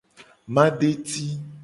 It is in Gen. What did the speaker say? Madeti.